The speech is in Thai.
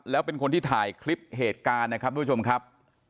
แล้วเป็นคนที่ถ่ายคลิปเหตุการณ์นะครับทุกผู้ชมครับ